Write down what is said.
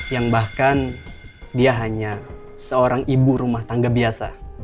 yang bahkan dia hanya seorang ibu rumah tangga biasa